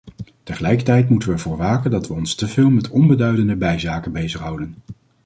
Tegelijkertijd moeten we ervoor waken dat we ons teveel met onbeduidende bijzaken bezighouden.